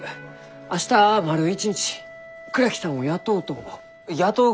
明日丸一日倉木さんを雇おうと思う。